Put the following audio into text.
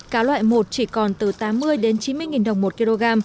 cá loại một chỉ còn từ tám mươi đến chín mươi nghìn đồng một kg